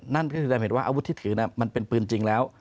นั่นก็จะเห็นว่าอาวุธที่ถือมันเป็นปืนจริงแล้ว